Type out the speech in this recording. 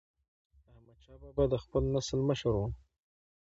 احمدشاه بابا د خپل نسل مشر و.